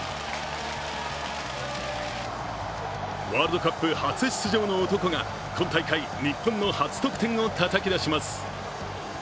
ワールドカップ初出場の男が今大会、日本の初得点をたたき出します。